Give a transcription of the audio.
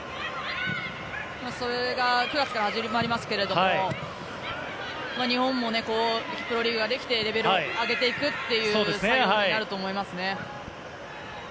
９月から始まりますけれども日本もプロリーグができてレベル上げていくということになると思います。